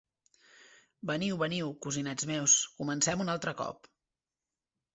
Veniu, veniu, cosinets meus, comencem un altre cop!